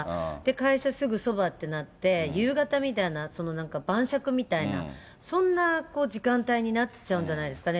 会社すぐそばってなって、夕方みたいな、晩酌みたいな、そんな時間帯になっちゃうんじゃないですかね。